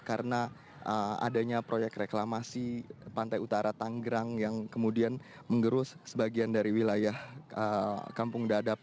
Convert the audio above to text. karena adanya proyek reklamasi pantai utara tanggerang yang kemudian mengerus sebagian dari wilayah kampung dadap